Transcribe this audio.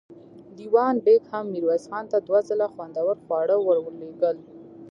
دېوان بېګ هم ميرويس خان ته دوه ځله خوندور خواړه ور لېږل.